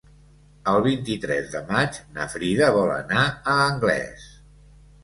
El vint-i-tres de maig na Frida vol anar a Anglès.